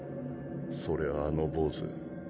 それをあの坊主。